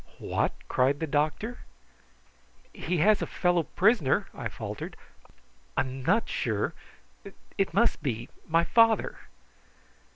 "What?" cried the doctor. "He has a fellow prisoner," I faltered. "I am not sure it must be my father!"